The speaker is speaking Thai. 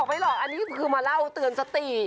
ไม่หรอกอันนี้คือมาเล่าเตือนสติ